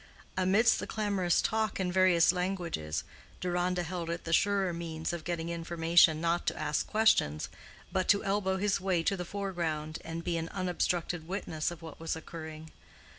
Amidst the clamorous talk in various languages, Deronda held it the surer means of getting information not to ask questions, but to elbow his way to the foreground and be an unobstructed witness of what was occurring.